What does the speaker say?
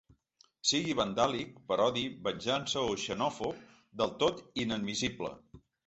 Sigui vandàlic, per odi, venjança o xenòfob, del tot inadmissible.